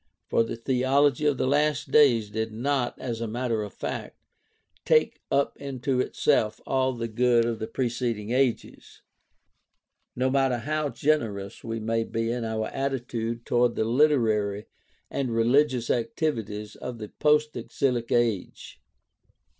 For the theology of the last days did not, as a matter of fact, take 150 GUIDE TO STUDY OF CHRISTIAN RELIGION up into itself all the good of the preceding ages, no matter how generous we may be in our attitude toward the literary and religious activities of the post exilic age.